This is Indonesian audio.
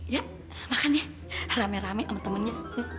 ya makan ya rame rame sama temennya